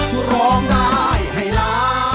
ดรองร้ายให้น้ำ